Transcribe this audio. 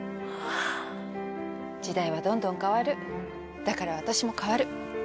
時代はどんどん変わるだから私も変わる。